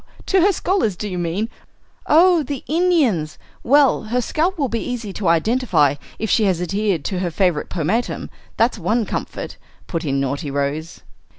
To her scholars, do you mean? Oh, the Indians! Well, her scalp will be easy to identify if she has adhered to her favorite pomatum; that's one comfort," put in naughty Rose.